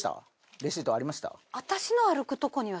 レシートありました？